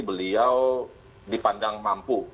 beliau dipandang mampu